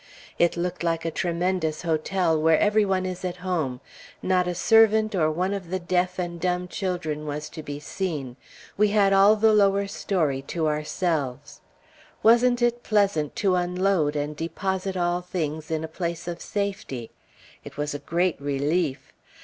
It looked like a tremendous hotel where every one is at home; not a servant or one of the deaf and dumb children was to be seen; we had all the lower story to ourselves. Wasn't it pleasant to unload, and deposit all things in a place of safety! It was a great relief.